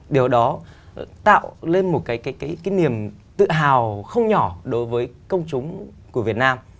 điều đó tạo lên một cái niềm tự hào không nhỏ đối với công chúng của việt nam